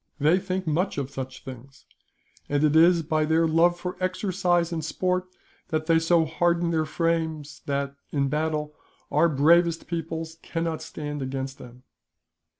They think much of such things, and it is by their love for exercise and sport that they so harden their frames that, in battle, our bravest peoples cannot stand against them."